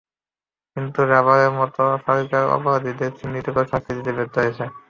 কিন্তু বরাবরের মতো সরকার অপরাধীদের চিহ্নিত করে শাস্তি দিতে ব্যর্থ হয়েছে।